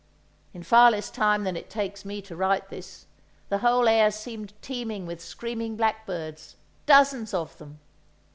In far less time than it takes me to write this, the whole air seemed teeming with screaming blackbirds, dozens of them.